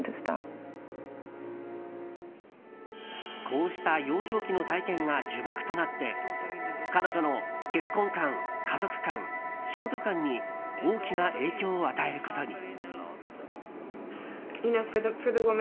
こうした幼少期の体験が呪縛となって彼女の結婚観、家族観、仕事観に大きな影響を与えることに。